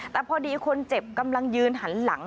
แต่พอดีคนเจ็บกำลังยืนหันหลัง